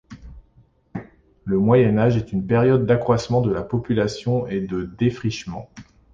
Le Moyen Âge est une période d'accroissement de la population et de défrichements.